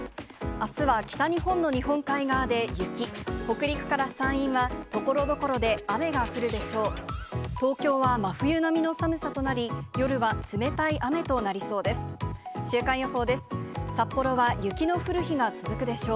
あすは北日本の日本海側で雪、北陸から山陰はところどころで雨が降るでしょう。